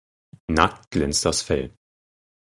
Nackt glänzt das Fell.